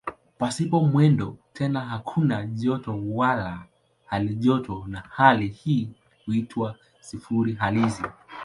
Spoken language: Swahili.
Pasipo mwendo tena hakuna joto wala halijoto na hali hii huitwa "sifuri halisi".